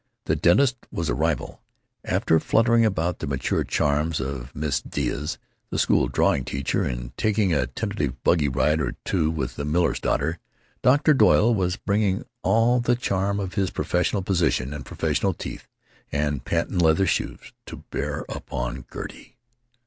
The dentist was a rival. After fluttering about the mature charms of Miss Dietz, the school drawing teacher, and taking a tentative buggy ride or two with the miller's daughter, Dr. Doyle was bringing all the charm of his professional position and professional teeth and patent leather shoes to bear upon Gertie.